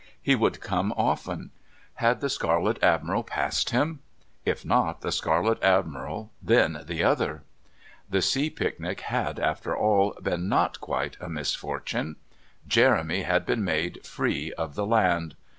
He would come often. Had the Scarlet Admiral passed him? If not the Scarlet Admiral, then the other. The sea picnic had, after all, been not quite a misfortune. Jeremy had been made free of the land.